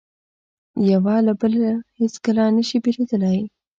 یو له بله هیڅکله نه شي بېلېدای.